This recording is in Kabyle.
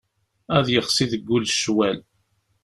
Ad yexsi deg ul ccwal.